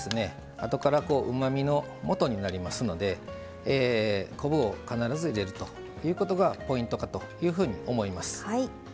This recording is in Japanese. あとからうまみのもとになりますので昆布を必ず入れるということがポイントかというふうに思います。